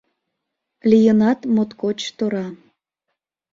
Лийынат моткоч тора.